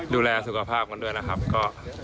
ดูแลสุขภาพกันด้วยนะครับ